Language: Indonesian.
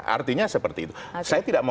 artinya seperti itu saya tidak mau